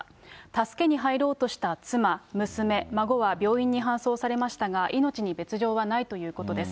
助けに入ろうとした妻、娘、孫は病院に搬送されましたが、命に別状はないということです。